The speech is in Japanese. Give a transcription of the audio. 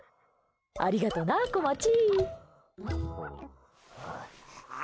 ありがとうな、こまち。